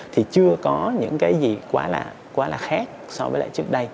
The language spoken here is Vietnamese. thì chưa có những cái gì quá là khác so với lại trước đây